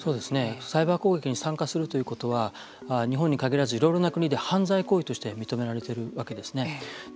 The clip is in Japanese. サイバー攻撃に参加するということは日本に限らず、いろいろな国で犯罪行為として認められてるわけですね。